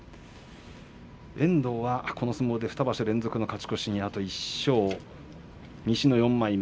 遠藤はこの相撲で２場所連続の勝ち越しにあと１勝西の４枚目。